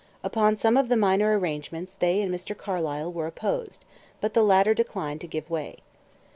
Upon some of the minor arrangements they and Mr. Carlyle were opposed, but the latter declined to give way.